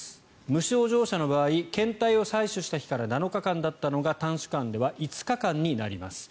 無症状者の場合検体を採取した日から７日間だったのが短縮案では５日間になります。